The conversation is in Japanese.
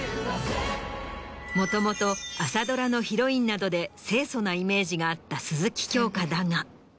もともと朝ドラのヒロインなどで清楚なイメージがあった鈴木京香だが。